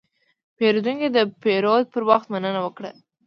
پیرودونکی د پیرود پر وخت مننه وکړه.